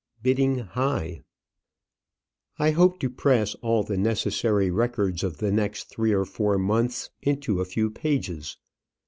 BIDDING HIGH. I hope to press all the necessary records of the next three or four months into a few pages.